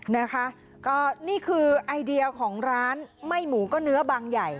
นะคะก็นี่คือไอเดียของร้านไม่หมูก็เนื้อบางใหญ่